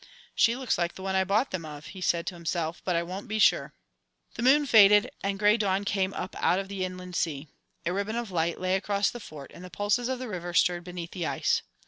"She looks like the one I bought them of," he said to himself, "but I won't be sure." The moon faded and grey dawn came up out of the inland sea. A ribbon of light lay across the Fort and the pulses of the river stirred beneath the ice.